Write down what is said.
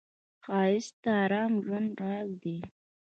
ښایست د آرام ژوند راز دی